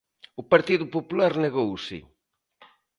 O Partido Popular negouse.